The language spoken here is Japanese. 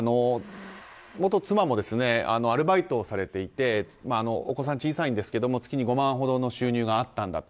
元妻もアルバイトをされていてお子さん、小さいんですが月に５万ほどの収入があったんだと。